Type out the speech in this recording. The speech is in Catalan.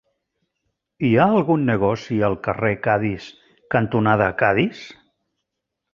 Hi ha algun negoci al carrer Cadis cantonada Cadis?